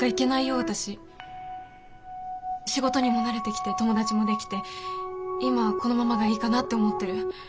仕事にも慣れてきて友達も出来て今はこのままがいいかなって思ってる。